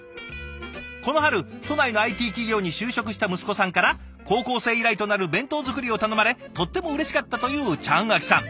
この春都内のＩＴ企業に就職した息子さんから高校生以来となる弁当作りを頼まれとってもうれしかったというちゃんあきさん。